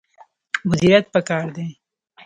مدیریت پکار دی